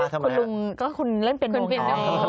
คุณลุงก็คุณเล่นเปียโนงเนี่ย